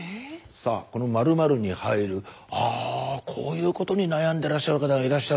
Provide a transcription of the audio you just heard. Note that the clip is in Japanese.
さあこの○○に入るはぁこういうことに悩んでらっしゃる方がいらっしゃるんだ。